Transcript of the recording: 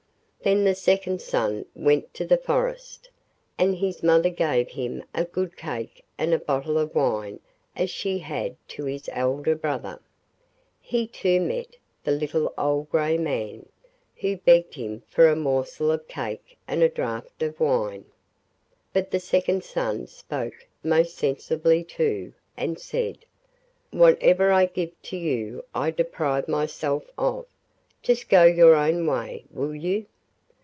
Then the second son went to the forest, and his mother gave him a good cake and a bottle of wine as she had to his elder brother. He too met the little old grey man, who begged him for a morsel of cake and a draught of wine. But the second son spoke most sensibly too, and said: 'Whatever I give to you I deprive myself of. Just go your own way, will you?